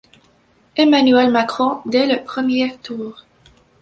Emmanuel Macron dès le premier tour.